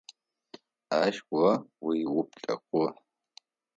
Ащ о уиуплъэкӏугъ.